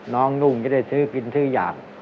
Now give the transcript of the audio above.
นุ่งจะได้ซื้อกินซื้ออย่าง